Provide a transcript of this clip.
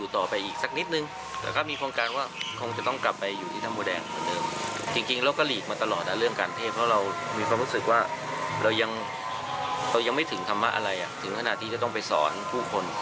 ที่จะต้องไปสอนผู้คน